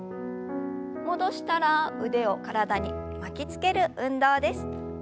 戻したら腕を体に巻きつける運動です。